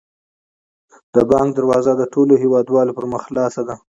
د بانک دروازه د ټولو هیوادوالو پر مخ خلاصه ده.